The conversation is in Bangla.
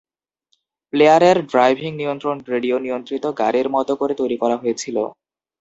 প্লেয়ারের ড্রাইভিং নিয়ন্ত্রণ রেডিও নিয়ন্ত্রিত গাড়ির মতো করে তৈরি করা হয়েছিল।